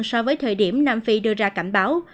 so với thời điểm nam phi đưa ra cảnh báo